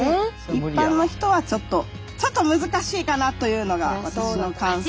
一般の人はちょっとちょっと難しいかなというのが私の感想でしたね。